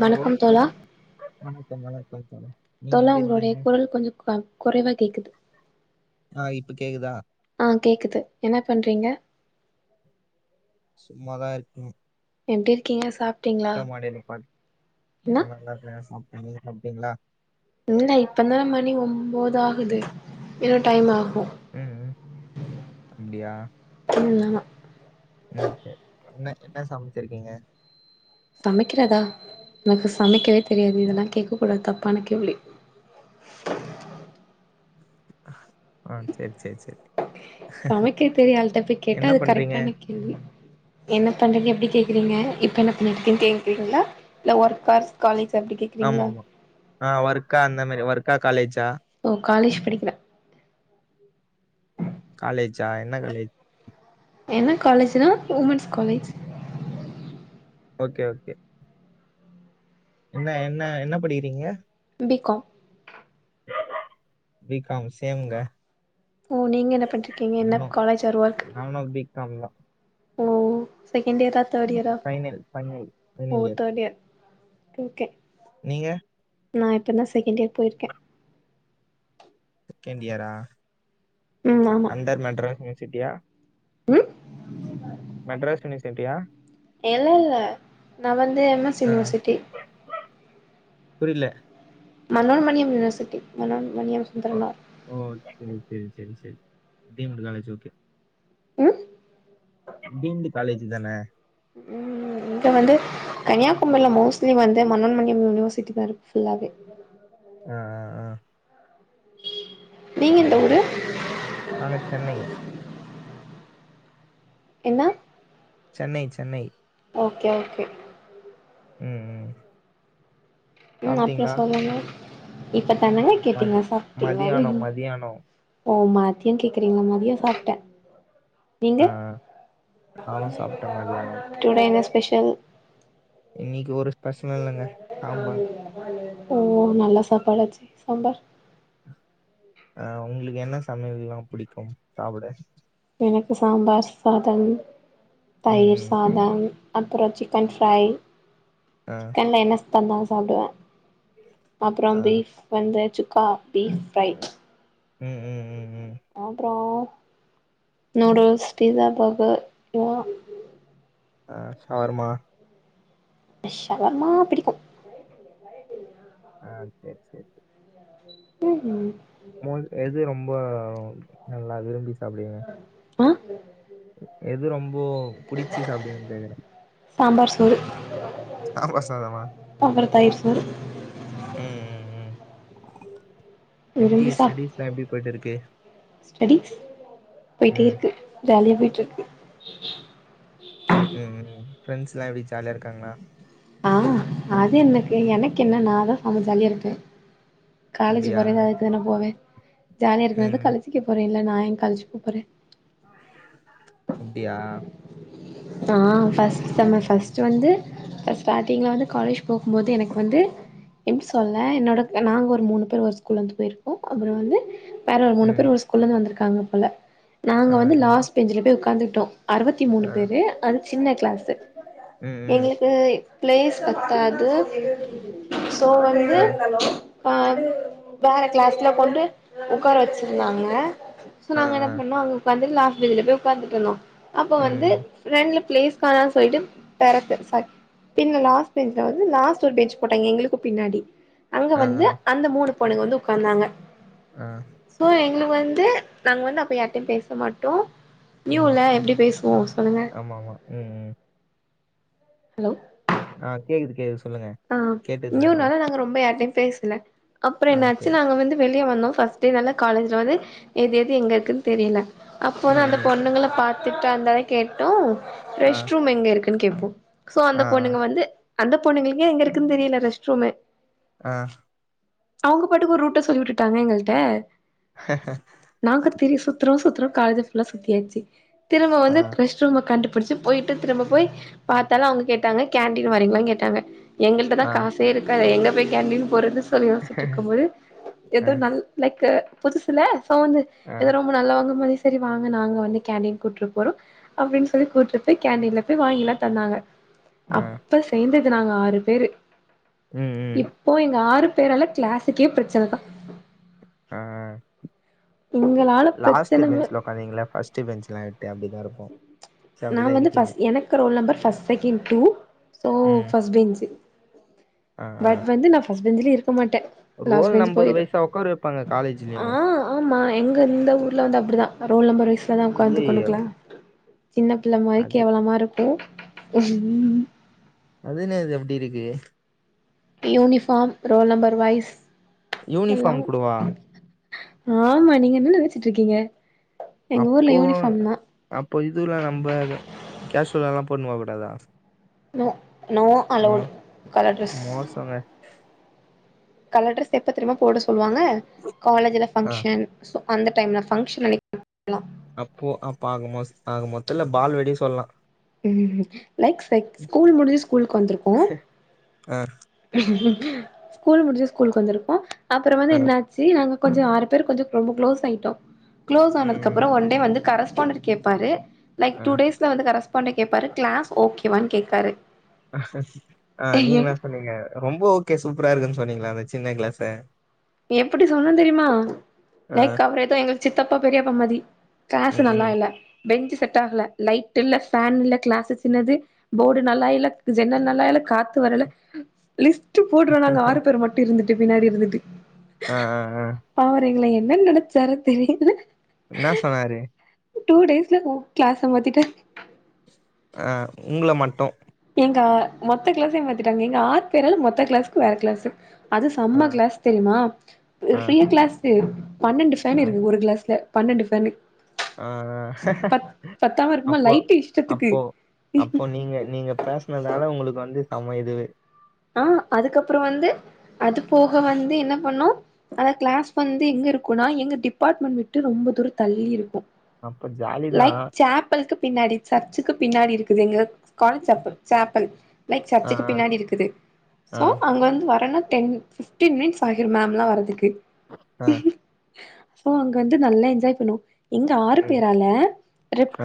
வணக்கம் தோழா வணக்கம் வணக்கம் தோழர் தோழா உங்களுடைய குரல் கொஞ்சொ கொ கொறைவா கேக்குது ஆ இப்ப கேக்குதா ஆ கேக்குது என்ன பண்றீங்க சும்மாதா இருக்கீங் எப்டிருக்கீங்க சாப் மாடே நிப்பாட் ஆமா நல்லாருக்கே சாப்ட நீங்க சாப்டிங்களா இல்ல இப்பதா மணி ஒம்போது ஆகுது இன்னு டைம் ஆகு ம் ம் அப்டியா இல் வேணா ம் செர் என்ன என்ன சமைச்ருக்கீங்க சமைக்கிறதா எனக்கு சமைக்கவே தெரியாது இதெல்லா கேக்க கூடாது தப்பான கேள்வி ம் சேர் சேர் சேரி சமைக்க தெரிய ஆள்ட்ட போய் கேட்டா என்ன அது பண்றீங்க கரெக்டான கேள்வி என்ன பண்றிங்க எப்டி கேக்குறீங்க இப்ப என்ன பண்ணிட்ருக்கனு கேக்குறீங்களா இல்ல ஒர்க்கா ஸ் காலேஜ் அப்டி கே ஆமா ஆமா ஆ ஒர்க்கா அந்த மாதிரி ஒர்க்கா காலேஜா ஓ காலேஜ் படிக்கிற காலேஜா என்ன காலேஜ் என்ன காலேஜ்னா உமென்ஸ் காலேஜ் ஓகே ஓகே என்ன என்ன என்ன படிக்கிறீங்க பி காம் பி காம் சேம்ங்க ஓ நீங்க என்ன பண்ட்டு இருக்கீங்க என்ன நானு காலேஜ் ஆர் ஒர்க் நானு பி காம் தா ஓ செகண்ட் இயரா தேட்இயரா ஃபைனல் ஃபைனல் ஃபைனல் ஓ இயர் தேட்இயர் ஓகே நீங்க நா இப்பந்தா செகண்ட் இயர் போயிர்க்கே செகண்ட் இயரா ம் ஆமா அன்டர் மெட்ராஸ் யூனிவர்சிட்டியா ம் மெட்ராஸ் யூனிவர்சிட்டி இல்லல்ல நா வந்து எம் எஸ் ஆ யுனிவர்சிட்டி புரில மனோன்மணியம் யூனிவர்சிட்டி மனோன்மணியம் சுந்தரனார் ஓ செரி செரி செரி செரி டீம் காலேஜ் ஓகே ம் பீந்து காலேஜ் தானே ம் இங்க வந்து கன்னியாகுமரில மோஸ்ட்லி வந்து மனோன்மணியம் யூனிவர்சிட்டி தா இருக்கு ஃபுல்லாவே ஆ ஆ ஆ நீங்க எந்த அப்படியா ஊரு நாங்க சென்னை என்ன சென்னை சென்னை ஓகே ஓகே ம் ம் ம் அப்புற சாப்பிட்டீங்களா சொல்லுங்க இப்ப தானேங்க மதி கேட்டீங்க சாப்பிட்டீங்ளா னு மதியானம் மதியானம் ஓ மதிய கேக்குறீங்களா மதியோ சாப்பிட்டே நீங்க ஆ நானும் சாப்பிட்டேன் மதியானம் டுடே என்ன ஸ்பெஷல் இன்னைக்கு ஒரு ஸ்பெஷலு இல்லங்க சாம்பார் ஓ நல்லா சாப்பாடாச்சு சாம்பார் அ உங்களுக்கு என்ன சமையல் எல்லா பிடிக்கும் சாப்பிட எனக்கு சாம்பார் சாதம் ம் தயிர் ம் சா பதம் அப்புற சிக்கன் ஃப்ரை அ ன்ன என்னத் தந்தாலு சாப்பிடுவே அப்புற ஆ பீஃப் வந்து சுக்கா பீஃப் ஃப்ரை ம் ம் ம் ம் அப்புறோ நூடுல்ஸ் பிஸா பர்கர் [unintelligible] ஆ ஷவர்மா ஷவர்மா பிடிக்கும் ஆ சேரி சேரி ம் ஹு மொல் எது ரொம்ப நல்லா விரும்பி சாப்பிடுவிங்க ஆ எது ரொம்போ புடிச்சு சாப்டுவிங்கன்னு கேக்குறே சாம்பார் சோறு சாம்பார் சாதமா அப்றோ தயிர் சோறு ம் ம் ம் எப்டி ஸ்டெடிஸ்லா எப்டி போயிட்டு இருக்கு ஸ்டெடிஸ் போயிட்டே ம், இருக்கு ஜாலியா போயிட்டு இருக்கு ம் ம் ம் ஃப்ரெண்ட்ஸ் எல்லா எப்டி ஜாலியா இருக்காங்களா ஆ அது என்னக்கு எனக்கு என்ன நா தா செம ஜாலியா இருக்கே காலேஜ் அப்படியா? போறது அதுக்கு தானே போவே ஜாலியா ம், இருக்குறதுக்குத்தா ம். காலேஜ்ஜுக்கே போறே இல்ல நா ஏ காலேஜ்ஜுக்கு போறே அப்டியா ஆ ஃபர்ஸ்ட்டு செம்மு ஃபர்ஸ்ட்டு வந்து இப்ப ஸ்டாட்டிங்ல வந்து காலேஜ் போம்போது எனக்கு வந்து எப்டி சொல்ல என்னோட நாங்க ஒரு மூணு பேர் ஒரு ஸ்கூல இருந்து போயிரு ஓ அப்புற வந்து வேற ஒரு மூணு ம். பேரு ஒரு ஸ்கூல்ல இருந்து வந்திருக்காங்க போல நாங்க ஆ, வந்து நீங்க லாஸ்ட் பெஞ்சில போய் உக்காந்துகிட்டோ அறுவத்தி மூணு ஆ, பேரு அது சின்ன கிளாஸ்ஸு ம், ம். எங்களுக்கு பிளேஸ் பத்தாது சோ வந்து ஆ, ப வேற கிளாஸ்ல கொண்டு ஒக்கார வச்சிருந்தாங்க சோ ஆ, நாங்க என்ன ஆ. பண்ணோ அங்க உக்காந்து லாஸ்ட்டு பென்ஞ்ல போய் உக்காந்துட்டுயிருந்தோ அப்ப ம், வந்து ம். ரெண்டு பிளேஸ் கானனு சொல்லிட்டு பெறத்து சக் பின்ன லாஸ்ட் பெஞ்ச்ல வந்து லாஸ்ட் ஒரு பெஞ்ச் போட்டாங்க எங்களுக்கு பின்னாடி அங்க ஆ, ஆ, வந்து அந்த மூணு பொண்ணுங்க வந்து உக்காந்தாங்க ஆ. சோ எங்களுக்கு வந்து நாங்க வந்து அப்ப யாரிட்டையு பேச மாட்டோ நியூல எப்டி பேசுவோ பொண்ணுங்க ஆமா ஆமா ம் ம் ஹலோ ஆ கேக்குது கேக்குது சொல்லுங்க ஆ கேட்டுட்டு தான் இருக்கேன். நியூனால நாங்க ரொம்ப யாரிட்டயையு பேசல அப்புறோ ஆ, என்னாச்சு சரி. நாங்க வந்து வெளியே வந்தோ ஃபஸ் டுனால காலேஜ்ல வந்து எது எது எங்க இருக்குன்னு தெரியல அப்போ ம், நா அந்த ம். பொண்ணுளை பாத்து திட்டா இருந்தாலே கேட்டோ ஆ, ரெஷ்ட் ரூம் எங்க இருக்குன்னு கேட்போ சோ ஆ, அந்த பொண்ணுங்க வந்து அந்தப் பொண்ணுங்களுக்கே எங்க இருக்குன்னு தெரியல ரெஸ்ட் ரூம்மு ஆ அவங்க பாட்டுக்கு ஒரு ரூட்ட சொல்லி வுட்டுட்டாங்க எங்கள்ட்ட நாங்க திரி சுத்தறோ சுத்தறோ காலேஜ் புல்லா சுத்தியாச்சு திரும்ப வந்து ஆ, கிருஷ் திரும்ப கண்டுபிடிச்சு போயிட்டு திரும்ப போய் பாத்தாலு அவங்க கேட்டாங்க கேன்டீன் வரீங்களானு கேட்டாங்க எங்கள்ட்டதா ஆ. காசே இருக்காதே எங்க போய் கேண்டின்னு போறேன்னு சொல்லி ஆ, யோசிச்சிட்டு இருக்கும் போது ஏதோ நல் லைக் புதுசுல சோ வந்து ஆ, எத ரொம்ப நல்லவங்க மாரி சரி வாங்க நாங்க வந்து கேண்டீன் கூட்டுப் போறோ அப்டின்னு சொல்லி கூட்டு போயி கேன்டீன்ல போய் வாங்கிலா தந்தாங்க ஆ. அப்ப சேந்தது நாங்க ஆறு பேரு ம், ம். இப் போ எங்க ஆறு பேரால கிளாஸுக்கே பிரச்சன தா ஆ எங்களால லாஸ்ட் பிரச்சன பென்ச்சுல உக்காந்தீங்கள பஸ்ட் பெஞ்ச்லா டே அப்டிதா இருக்கு நா வந்து ஃபஸ்ட் எனக்கு roll number first second two so ம். ஃபஸ்ட் பென்ச்சு ஆ, ஆ. பட் வந்து நா ஃபஸ்ட் பெஞ்ச்லயே இருக்க மாட்ட ரோல் நம்பர் வைசா உக்கார வெப்பாங்க காலேஜ்லயு ஆ ஆமா எங்க இந்த ஊரில வந்து அப்டிதா ரோல் நம்பர் வயஸ்ல தா உக்காந்துகனு ஐயையோ! கி சின்ன பிள்ள மாரி அது கேவலமா இருக்ட்டு அது என்னது அப்டி இருக்கு யூனிஃபார்ம் ரோல் நம்பர் வைஸ் எல்லா யூனிஃபார்ம் கூடவா ஆமா நீங்க என்ன நெனச்சுட்டு இருக்கீங்க எங்க ஊர்ல அப்போ யூனிஃபார்ம் தா அப்போ இதுல்ல நம்ம கேஷுவலல்லா போடுன்னுபோ கூடாதா no no allowed colour dress போங்க கலர் ட்ரெஸ் எப்ப தெரிமா போட சொல்வாங்க காலேஜில ஆ. ஃபங்க்ஷன் ஸோ அந்த டைம்ல ஃபங்ஷன் அன்னைக்கி போட்டுக்குலா அப்போ அப்ப ஆக மொஸ் ஆக மொத்ததுல்ல பால் வெடி சொல்லலா லைக் சைக் ஸ்கூல் முடிஞ்சு ஸ்கூலுக்கு வந்திருக்கோ ஆ ஸ்கூல் முடிஞ்சு ஸ்கூலுக்கு வந்திருக்கோ அப்புறோ வந்து ஆ. என்ன சரி நாங்க கொஞ்சோ ஆறு பேரு கொஞ்ஜோ ரொம்ப க்ளோஸ் ஆயிட்டோ க்ளோஸ் ம், ஆனதுக்கு ம். அப்புறோ ஒன்டே வந்து கரஸ்பாண்ட் கேப்பாரு லைக் ஆ. டுடேஸ்ல வந்து கரஸ்பாண்ட்ட கேப்பாரு கிளாஸ் ஓகேவானு கேக்றாரு ஆ, நீங்க என்ன சொன்னீங்க? ரொம்ப ஓகே சூப்பரா இருக்குனு சொன்னீங்ளா அந்த சின்ன கிளாஸ எப்படி சொன்னோ தெரியுமா? ஆ. லைக் அவர் எதோ எங்க சித்தப்பா பெரியப்பா மாதி கிளாஸ் ம், நல்லா ம். இல்ல பெஞ்ச் செட் ஆகல, லைட் இல்ல, ஃபேன் இல்ல, கிளாஸ் சின்னது போர்டு நல்லா இல்ல, ஜன்னல் நல்லா இல்ல, காத்து வரல, லிஸ்ட் போடுறோ நாங்க ஆறு பேர் மட்டு இருந்துட்டு பின்னாடி இருந்துட்டு ஆ, ஆ, ஆ பாவ அவரு எங்கள என்னனு நெனச்சாருனு தெரில என்னா சொன்னாரு? டூ டேஸ்ல உ கிளாஸ மாத்திட்டாரு ஆ உங்கள மட்டு எங்க மொத்த கிளாஸ்ஸயு மாத்திட்டாங்க, எங்க ஆறு பேரால மொத்த கிளாஸ்க்கு வேற கிளாஸ் அது ஆ, செம கிளாஸ் தெரியுமா ஆ, பெரிய கிளாஸ் பன்னெண்டு ஃபேன் ஆ, இருக்கு ஒரு கிளாஸ்ல பன்னெண்டு ஃபேனு ஆ, ஆ. பத் பத்தாம இருக்குமா அப்போ லைட்டு இஷ்டத்துக்கு அப்போ அப்போ நீங்க நீங்க பேசனதுனால உங்களுக்கு வந்து செம இது ஆ, அதுக்கப்பறோ வந்து அது போக வந்து என்ன பண்ணோ அந்த கிளாஸ் வந்து எங்க இருக்குனா எங்க டிபார்ட்மெண்ட் விட்டு ரொம்ப தூரோ தள்ளி இருக்கு அப்ப ஜாலி தான். லைக் சேப்பள்க்கு பின்னாடி சர்ச்சுக்கு பின்னாடி இருக்குது எங்க காலேஜ் சேப்பள் சேப்பள் லைக் ஆ, சர்ச்சுக்கு ஆ, பின்னாடி இருக்குது ஆ, சோ அங்க வந்து வரேன்னா டென் பிஃப்டீன் மினிட்ஸ் ஆகிரு மேம்லா வரதுக்கு ஆ சோ அங்க வந்து நல்லா என்ஜாய் பண்ணுவோ எங்க ஆறு ம். பேரால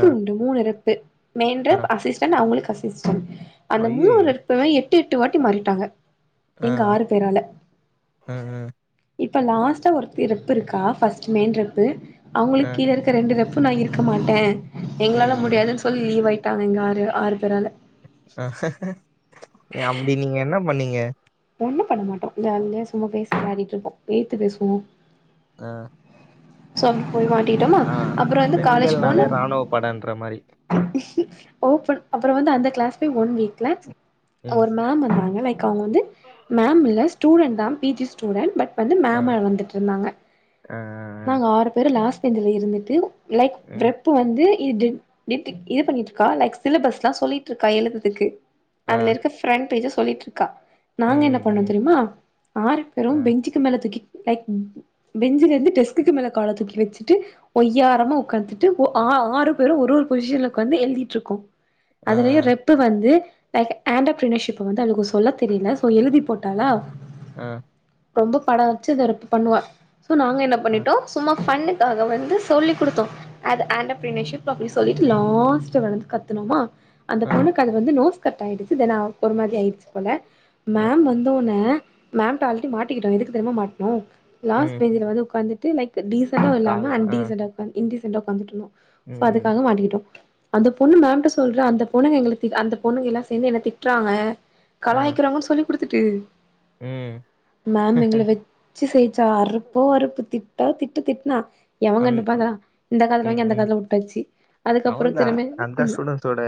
ஆ, டு மூணு ரெப்பு மெயின் ஆ. ரெப், அசிஸ்டன்ட், அவங்களுக்கு அசிஸ்டன்ட் அந்த மூணு அய்யய்யோ! ரெப் புமே எட்டு எட்டு வாட்டி மாறிட்டாங்க ஆ, எங்க ஆறு பேரால ஆ, ஆ, இப்ப லாஸ்ட்டா ஒருத்தி ரெப் இருக்கா ஃபர்ஸ்ட் மெயின் ரெப்பு ஆ. அவங்களுக்கு கீழ இருக் க ரெண்டு ரெப்பு நா இருக்க மாட்டே ம், எங்களால ம். முடியாதுன்னு சொல்லி ரிலீவ் ஆயிட்டாங்க எங்க ஆறு ஆறு பேரால ஏ அப்படி நீங்க என்ன பண்ணீங்க? ஒண்ணு பண்ண மாட்டோ ஜாலியா சும்மா பேசி விளாடிட்டு இருப்போ எதுத்து பேசுவோ ஆ சோ அது போய் மாட்டிட்டோமா, ஆ. அப்றோ வந்து காலேஜ் போனு பெண்கள்னாலே ராணுவ படன்ற மாரி. ஓப்பன் அப்பறோ வந்து அந்த கிளாஸ் போய் ஒன் வீக் ல ம். ஒரு மேம் வந்தாங்க லைக் அவங்க வந்து மேம் இல்ல ஸ்டூடெண்ட்தா பி ஜி ஸ்டூடெண்ட் பட் வந்து மேம்மா வந்துட்டு இருந்தாங்க ஆ, ஆ நாங்க ஆறு பேரு லாஸ்ட் பெஞ்சில இருந்துட்டு லைக் ஆ ரெப்பு வந்து இது டிட் இது பண்ணிட்டு இருக்கா லைக் சிலபஸ்லா சொல்லிட்டு இருக்கா எழுதுறதுக்கு ஆ அதுல இருக்க பிரண்ட் பேஜ்ஜ சொல்லிட்டு இருக்கா, நாங்க என்ன ம் பண்ணோ ம் தெரியுமா ஆறு ஆ பேரும் பெஞ்சு க்கு மேல தூக்கி லைக் பெஞ்ச்ல இருந்து டெஸ்க்குக்கு மேல கால தூக்கி வச்சுட்டு ஒய்யாரமா உக்காந்துட்டு ஓ ஆ ஆறு பேரும் ஒரு ஒரு பொசிஷன்ல உக்காந்து எழுதிட்டுருக்கோ ஆ அதுலயே ரெப் பு வந்து லைக் ஆண்டர்பெர்னர்ஷிப் வந்து அவளுக்கு சொல்ல தெரில சோ எழுதி போட்டாலா ஆ ரொம்ப பட வச்சு அந்த ரெப்பு பண்ணுவா சோ நாங்க என்ன ஆ பண்ணிட் டோ சும்மா ஃபன்னுக்காக வந்து சொல்லி குடுத்தோ அது ஆன்டர்பினர்ஷிப் அப்டின்னு சொல்லிட்டு லாஸ்ட் லந்து கத்துனோமா அந்த ஆ பொண்ணுக்கு அது வந்து நோஸ் கட் ஆயிடுச்சு தென் அவக்கு ஒரு மாதிரி ஆயிடுச்சு போல ஆ மேம் வந்தவொன்னே மேம்ட்ட அல்ரெடி மாட்டிக்கிட்டோ எதுக்கு தெரியுமா மாட்னோ லாஸ்ட் ம் பெஞ்சல வந்து உட்காந்து லைக் டீசன்ட்டா இல்லாம கால ஆ அன்டீசன்டா உக் இன்டீசன்டா உட்காந்துட்டு இருந்தோ சோ ம் ம் அதுக்காக மாட்டிகிட்டோ அந்த பொண்ணு மேம் ட்ட சொல்றா அந்த பொண்ணுங்க எங்கள திட் அந்த பொண்ணுங்க எல்லா சேந்து என்ன திட்டுறாங்க ஆ கலாயிக்கிறாங்கன்னு சொல்லி குடுத்துட்டு ம் மேம் எங்கள வெச் ச்சி செய்ச்சா அறுப்போ அறுப்பு திட்டோ திட்டு திட்னா எவே அந் கண்டு பாக்குறா இந்த காதுல வாங்கி அந்த காதுல விட்டாச்சு அவ்ள்தா அத்தா ஸ்டுடென்ட்ஸ் ஓட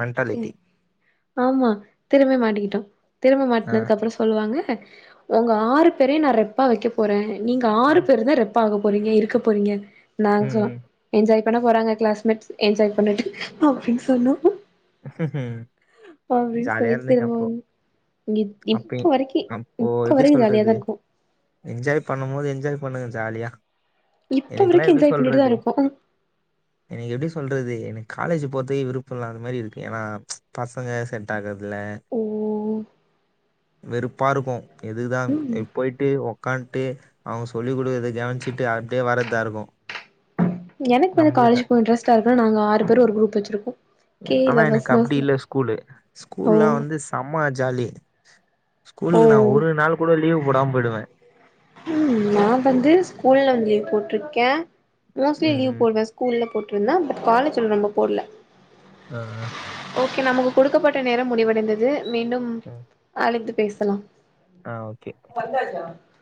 மென்ட்டாலிட்டி ஆமா திரும்ப மாட்டிக்கிட்டோ திரும்ப ஆ மாட்டினதுக்கு அப்றோ சொல்வாங்க உங்க ஆறு பேரையு நா ரெப்பா வெக்க போறே நீங்க ஆ ஆறு பேருந்தா ரெப்பா ஆக போறீங்க இருக்க போறீங்க நாங்க சொன்னோ ம் என்ஜாய் பண்ண போறாங்க கிளாஸ்மேட்ஸ் என்ஜாய் பண்ணட்டு அப்டின்னு சொன்னோ ம் அப்டின்னு ஜாலியா சொல்லி இருந்தீங்க அப்போ திரும்பவு அப்ப இப்ப வரக்கீ அப்போ இப்ப எப்டி வரையு சொல்றது ஜாலியாதாருக்கோ என்ஜாய் பண்ணும் போது என்ஜாய் பண்ணுங்க ஜாலியா இப்ப எனக்கெல்லா வரைக்கு எப்டி என்ஜாய் பண்ணிட்டு தா சொல்றது இருக்கோ எனக்கு எப்டி சொல்றது எனக்கு காலேஜ் போற்தே விருப்போ இல்லாத மாரி இருக் ஏன்னா பசங்க செட் ஆகுறதில்ல உம் வெறுப்பாருக்கும் எதுதான் ம் போயிட் ட்டு உக்கான்ட்டு அவ்ங்க சொல்லி் கொடுக்றத கவனிச்சுட்டு அப்டியே வர்றதா ருக்கும் எனக்கு வந்து காலேஜ் போக இன்ட்ரெஸ்டா இருக்குன்னா நாங்க ஆறு பேர் ஒரு குரூப் வச்சிருக்கோ கே ஆனா எனக்கு லவர்ஸ்னு அப்டி இல்ல ஸ்கூலு ஓ ஸ்கூல்லாம் வந்து சம்ம ஜாலி ஸ்கூலுக்கு நா ஓ ஒரு நாள் கூட லீவு போடாம போயிடுவே உம் நா வந்து ஸ்கூல்ல வந்து லீவ் போட்டிருக்கே மோஸ்ட்லி ம் லீவ் ம் போடுவே கூல்ல போட்டுருந்தே பட் காலேஜ்ல ரொம்ப போடல அ அ ஓகே நமக்கு குடுக்கப்பட்ட நேரம் முடிவடைந்தது மீண்டும் ஆ அழைத்து பேசலா ஆ ஓகே [unintelligible]